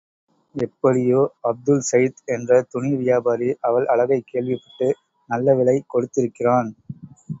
எப்படியோ, அப்துல்சைத் என்ற துணி வியாபாரி அவள் அழகைக் கேள்விப்பட்டு, நல்லவிலை கொடுத்திருக்கிறான்.